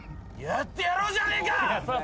やってやろうじゃねえか！